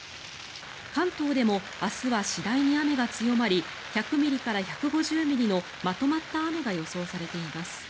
関東でも明日は次第に雨が強まり１００ミリから１５０ミリのまとまった雨が予想されています。